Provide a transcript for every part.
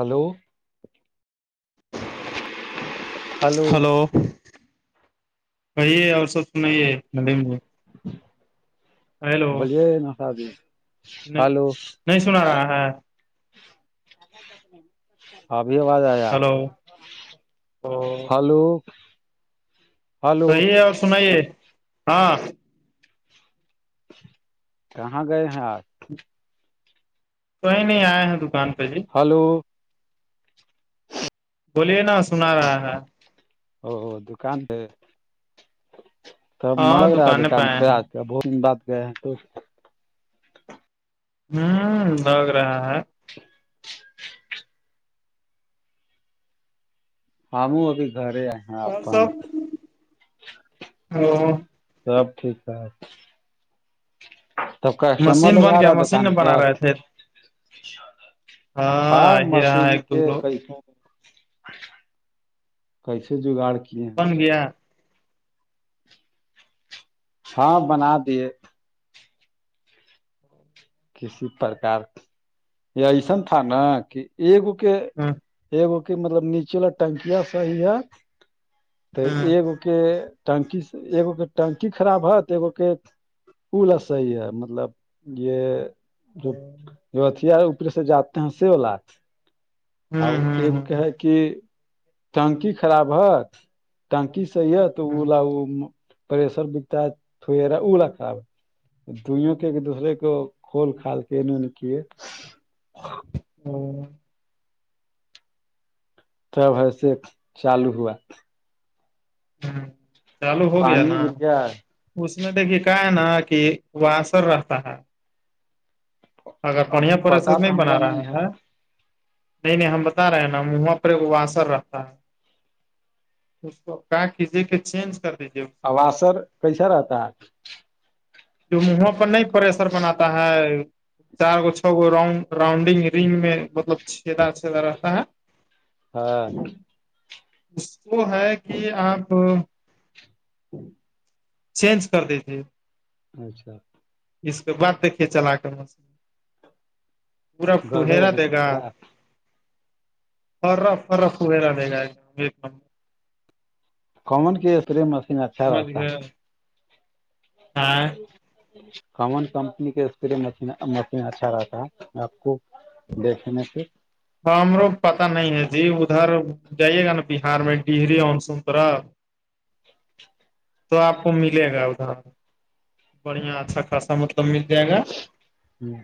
hello hello بی ہے اور سب سنے مل مج بلیے نسادی نہیں ہلو نہیں سنا رہا ہے ابھی آواز آ ہلو او فلو صی ہے اور سنائیے ہاں کہاں گئے ہیں آپ تویں نہیں آئے ہیں دکان پہ جی ہلو بولیے نا سنا رہا ہے او دکان پہ تب ہاں ملگ رہا ہے دکانیں پہ دکان آئے پس ہیں کیا بہت بات گئے ہیں تو ہوں لگ رہا ہے ہم ابھی گھر آئے اور سبہ [unintelligible] سب ٹھیک ٹھاک [unintelligible] تو کسٹمر مشین لوگ بن آ گیا رہا مشین دکان میں بنا پر [unintelligible] رہے تھے ہاں آ ہی رہا مسیح ہے ایک دو کے لوگ کیسوں کیسے جگاڑ کیے ہیں اس بن کو گیا ہاں بنا دیے کسی پرکار یہ ایسن تھا نا کہ ایگو کے ہ ایگو کی مطلب نیچےلا ٹنکیا سا ہیی ہے تو ہ ایگ کے ٹنکی ایگو کے ٹنکی خراب ہوت ایگو کے پولا صحی ہے مطلب یہ ہوں جو اتیا اوپر سے جاتے ہیں س وہ لات آ ہ ہ ایک کہ ہے کہ ٹنکی خراب ہےت ٹنکی صحیحت ہ ا ل پریسر بکتا ہے تھ رہا ا ل خراب دوئیوں کے ایک دوسرے کو فھول کھال کے اینےنے کے ہوں تب ایسے چالو ہوا ہوں چالو ہو گیا نا اس میں دیکھیے کہ ہے نا کہ وہاںسر رہتا ہے اگر بڑھیا پش نہیں بنا رہا ہے نہیں نہیں ہم بتا رہے ہیں نا ماں پ ایک وہ اثر رہتا ہے اس کو کا کیجیے کہ چینج کر دیجیے کو اوثر کیسا رہتا ہے جو منہوں پر نہیں پریسر بناتا ہے چار گو چھ گو رڈ رنڈنگ رنگ میں مطلب چھیدا چھیدا رہتا ہے ہاں اس کو ہے کہ آپ ہوں چینج کر دی ت اچھا اس کے بد دیکھیے چلا کر م پورا گدے پہرا گدے دے چلے گا اور رف رف وغیرہ دے گا ایک د ایک نم کومن کی اسپرے مشین اچھا سمجھ رہتا گئے ہاں [unintelligible] کمن کمپنی کے اسپے مشین اچھا رہتا آپ کو دیکھ مسی ہاں ہمرو پتا نہیں ہے جی ادھر جائیے گا نا بہار میں ڈہری آنسون پورا ہ تو آپ کو ملے گا ادھر بڑھیا اچھا خاصا مطلب مل جائے گا ہوں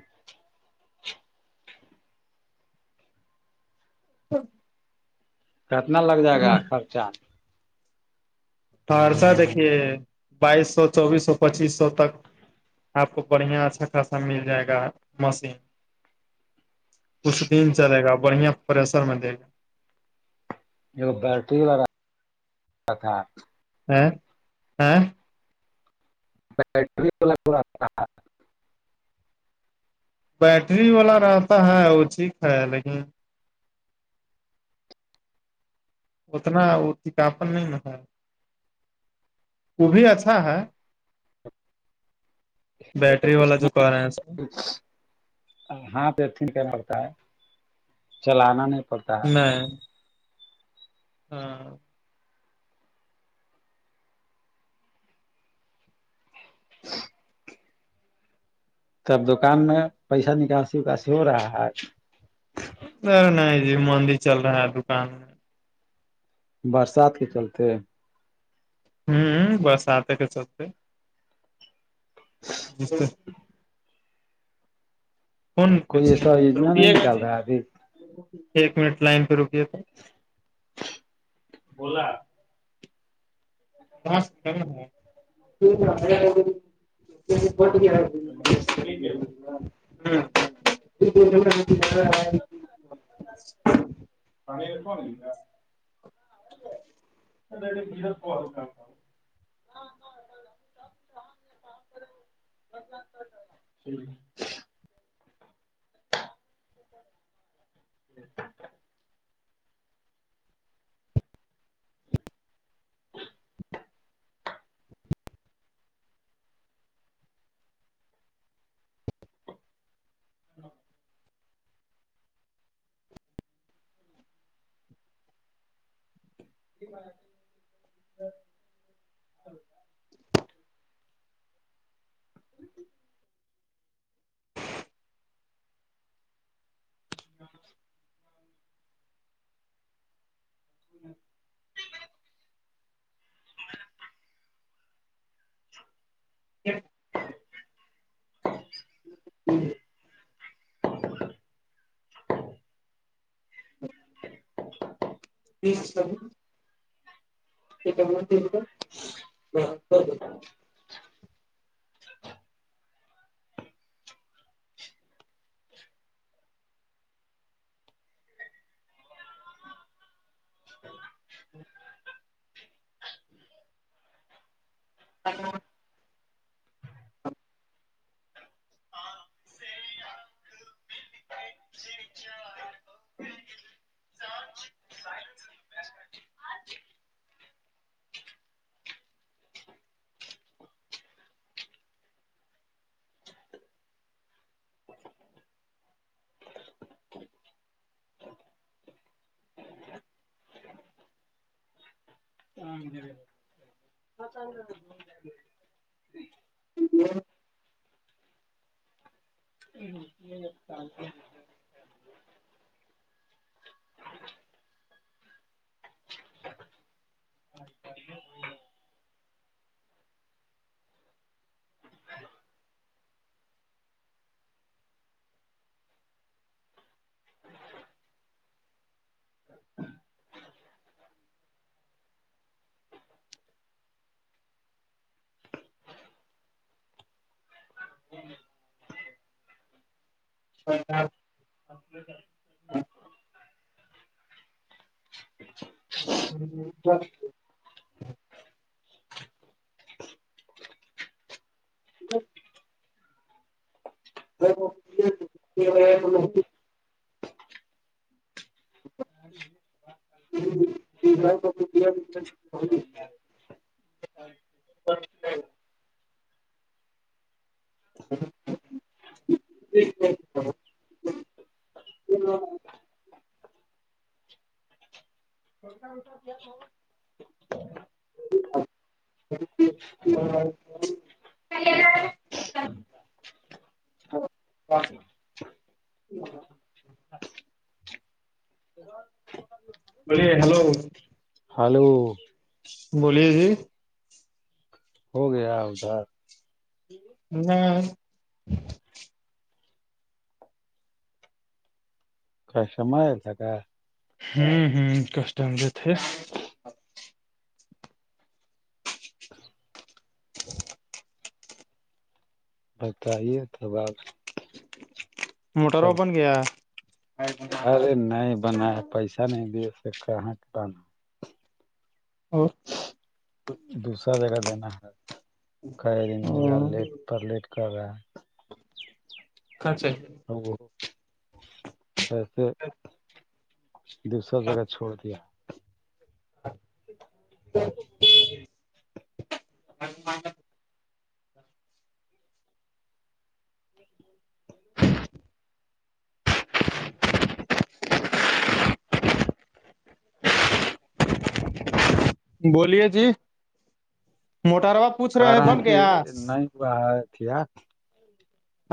توچ کتنا لگ جائے گا خرچہ سہرسہ دیکھیے بائیس سو چوبیس سو پچیس سو تک آپ کو بڑھیا اچھا خاصا مل جائے گا مشین کچھ دن چلے گا بڑھیا پریسر میں دے گا ایک بیٹری والا تھا ہ ہاں بٹریا بیٹری والا رہتا ہے وہ ٹھیک ہے لیکن اتنا وہتاپن نہیں ن ہے وہ بھی اچھا ہے بیٹری والا جو کار ہے اس میں ہاں پتن کہنا ہوتا ہے چلانا نہیں پڑتا ہے نہیں [inaudible] ہاں [inaudible] ت اب دکان میں پیسہ نکاسی اکاسی ہو رہا ہے [inaudible] نہیں نہیں جی مندی چل رہا ہے دکان میں برسات کے چلتے ہوں بس آتے کے چلتے [unintelligible] جر [unintelligible] فن پ کوئی سے ایسا یوجنا نہیں رکیے گا نکال جی رہا ہے ابھی ایک منٹ لائن پہ رکیے تو [unintelligible] بوزلا [unintelligible] ن [unintelligible] [inaudible] ہاں [unintelligible] [unintelligible] پانیلپ ل ال میر کو کا کا [unintelligible] جی [inaudible] ج [unintelligible] [inaudible] ہاں [inaudible] [inaudible] ہ [unintelligible] ج [unintelligible] جی [unintelligible] چ [unintelligible] پ م [unintelligible] ہ [unintelligible] ہاں ج [unintelligible] جی [inaudible] ہ یہ [unintelligible] اچ [unintelligible] ا [unintelligible] ہ [unintelligible] ہ [unintelligible] اچ [unintelligible] [inaudible] اچھا [unintelligible] جاں [unintelligible] [inaudible] اچ [unintelligible] ب [unintelligible] ٹھیک ب [unintelligible] [inaudible] چ [unintelligible] ہ [unintelligible] بے ہلو [unintelligible] ہلو بولیے جی [inaudible] [inaudible] [inaudible] ہوں ہوں کسٹم جو تھے [unintelligible] بتائیے تب آپ موٹر جب اپن گیا ارے نہیں بنایا پیسہ نہیں دیا اسے کہاں کے بنا اور دوسرا جگہ دینا ہے کئی دن ہو گیا لیٹ پر لیٹ کر رہا ہے خرچا [unintelligible] دوسرہ جگہ چھوڑ دیا [unintelligible] بولیے جی موٹار بپ کر رہا کی نہیں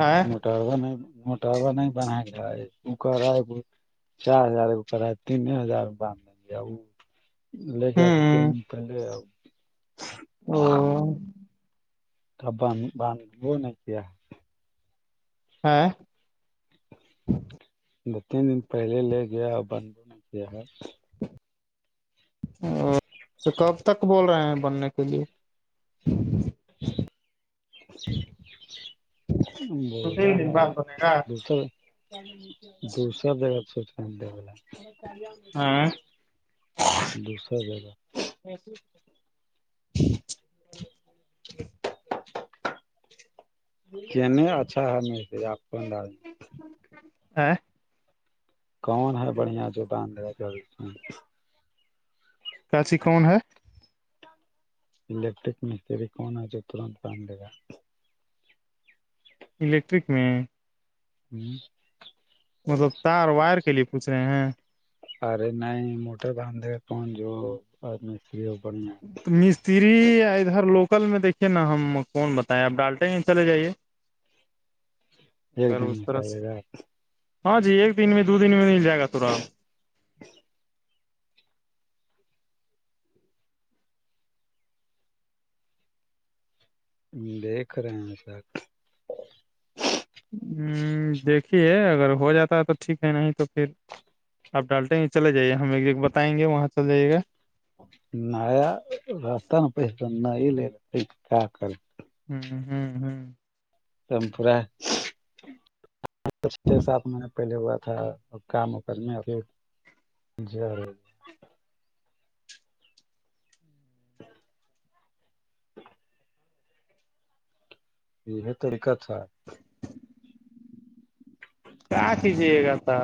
ا موٹاروا نہیں موٹاروا نہیں بنایا گرہا ہے چار ہزار کرا ہے تین ہزار لے جا دی تین ہوں پہلے [unintelligible] تب باند باند وہ نہیں کیا ہاں دو تین دن پہلے لے گیا بن نہیں کیا تو کب تک بول رہے ہیں بننے کے لیے [unintelligible] دو بولا تین دن ہے بعد بنے گا دوسر دوسرہ جگہ دوسرہ جگہ [unintelligible] [unintelligible] کہنے اچھا ہے سے آپ کو ڈال [unintelligible] کون ہے بڑھیا جوگان کاچی کون ہے الیکٹرک مستری کون ہے جو ترنت کام دیگا الیکٹرک میں ہوں مطلب تار وائر کے لیے پوچھ رہے ہیں ارے نہیں موٹر بان د کون جو مستری ہو تو مستری ادھر لوکل میں دیکھیے نا ہم کون بتائے آپ ڈالٹیں ہیں چلے جائیے [unintelligible] اگر اس طرح سے نکالے گا ہاں جی ایک دن میں دو دن میں مل جائے گا توران دیکھ رہے ہیں سر دیکھیے اگر ہو جاتا ہے تو ٹھیک ہے نہیں تو پھر آپ ڈالٹیں گے چلے جائیے ہم ایک بتائیں گے وہاں چل جائیے گا نیا رستتا ن پیس تو نہیں لے پ کیا کر ہم ہم ہم پورا ساتھ میں پہلے ہوا تھا کام و کرنے [unintelligible] یہ ہے تریقس ہے کیا کھیچیے گا تھا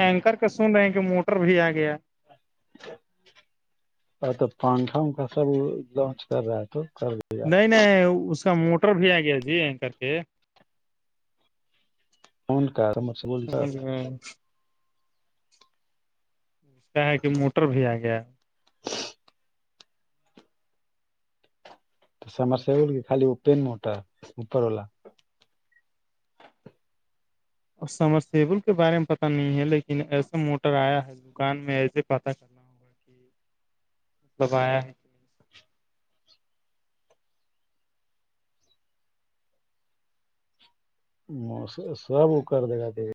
اینکر کا سن رہے ہیں کہ موٹر بھی آ گیا اچ ا تو پانکھوں کا سب لانچ کر رہا ہے تو کر دیا نہیں نہیں اس کا موٹر بھی آ گیا جی این کر کے کون کا م سےے بولتا سمجھ گئے اس کیا ہے کہ موٹر بھی آ گیا تو سمرسبول کی خالی وہ پین موٹر اوپر والا اور سمرسیبل کے بارے میں پتتا نہیں ہے لیکن ایسا موٹر آیا ہے دکان میں ایسے پتا کرنا گا مطلب آیا ہے م سب کرارد گادے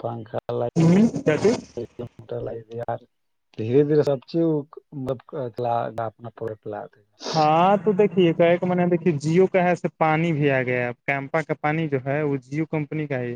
پنکھا ل ہ کیا چیز گ دھیرے دھیرے سب چیز مطلب اپنا ہاں تو دیکھیے ایک م دیکے جیو کا ہےے پانی بھی آ گیا ہے ا کیمپا کا پانی جو ہے وہ جیو کمپنی کا ہے